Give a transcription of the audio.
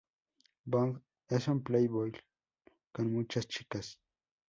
Bond es un playboy con muchas chicas.